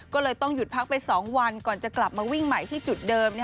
ก็เลยต้องหยุดพักไป๒วันก่อนจะกลับมาวิ่งใหม่ที่จุดเดิม